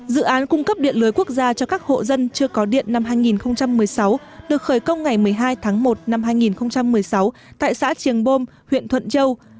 dự án cung cấp điện lưới quốc gia cho các hộ dân chưa có điện năm hai nghìn một mươi sáu được khởi công ngày một mươi hai tháng một năm hai nghìn một mươi sáu tại xã triềng bôm huyện thuận châu